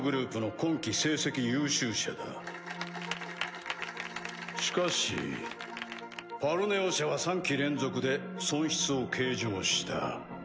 パチパチパチしかし「パルネオ社」は３期連続で損失を計上した。